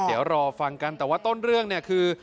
เดี๋ยวรอฟังกันแต่ว่าต้นเรื่องเนี่ยคือ